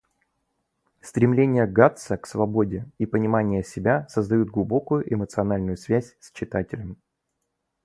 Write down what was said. Стремление Гатса к свободе и понимание себя создают глубокую эмоциональную связь с читателем.